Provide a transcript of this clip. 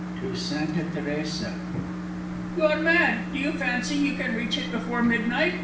"To Santa Teresa." "You are mad. Do you fancy you can reach it before midnight?"